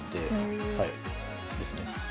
ですね。